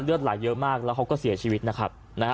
เลือดไหลเยอะมากแล้วเขาก็เสียชีวิตนะครับ